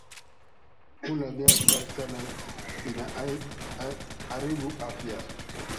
Kula bya sukari sana bina aribu afya